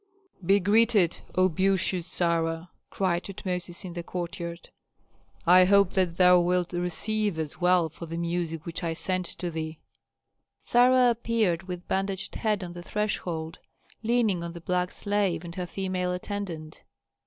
"Be greeted. O beauteous Sarah!" cried Tutmosis in the courtyard. "I hope that thou wilt receive us well for the music which I sent to thee." Sarah appeared, with bandaged head on the threshold, leaning on the black slave and her female attendant.